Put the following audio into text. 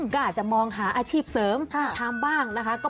ก็อาจจะมองหาอาชีพเสริมทำบ้างนะคะ